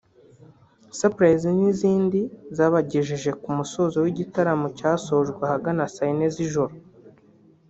Surprise n’izindi zabagejeje ku musozo w’igitaramo cyasojwe ahagana saa yine z’ijoro